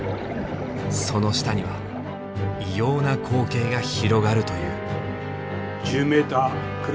その下には異様な光景が広がるという。